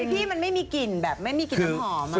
พี่มันไม่มีกลิ่นแบบไม่มีกลิ่นน้ำหอม